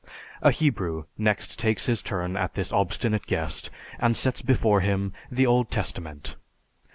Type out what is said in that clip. A Hebrew next takes his turn at this obstinate guest and sets before him the Old Testament.